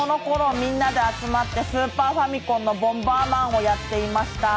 みんなで集まってスーパーファミコンの「ボンバーマン」をやっていました。